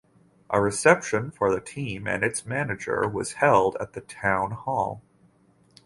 A reception for the team and its manager was held at the town hall.